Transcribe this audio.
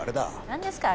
何ですか？